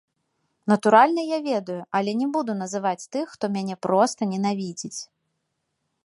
Натуральна, я ведаю, але не буду называць тых, хто мяне проста ненавідзіць.